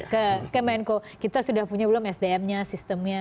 ke kemenko kita sudah punya belum sdm nya sistemnya